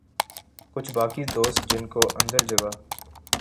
کچھ باقی دوست جن کو اندر جگہ